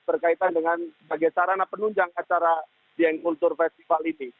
berkaitan dengan sebagai sarana penunjang acara dieng kultur festival ini